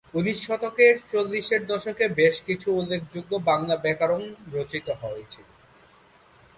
উনিশ শতকের চল্লিশের দশকে বেশ কিছু উল্লেখযোগ্য বাংলা ব্যাকরণ রচিত হয়েছিল।